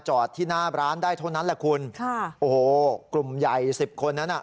จอดที่หน้าร้านได้เท่านั้นแหละคุณกลุ่มใหญ่๑๐คนนั้นน่ะ